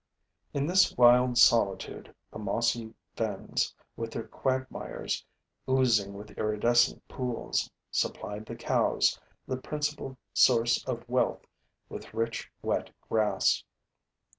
In this wild solitude, the mossy fens, with their quagmires oozing with iridescent pools, supplied the cows, the principal source of wealth, with rich, wet grass.